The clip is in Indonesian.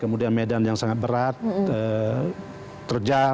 kemudian medan yang sangat berat terjal